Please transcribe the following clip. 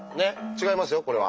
違いますよこれは。